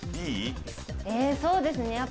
えっそうですね